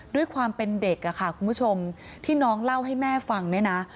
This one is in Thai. ด้วยความเป็นเด็กค่ะคุณผู้ชมที่น้องเล่าให้แม่ฟังเนี่ยนะ